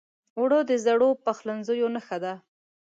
اوړه د زړو پخلنځیو نښه ده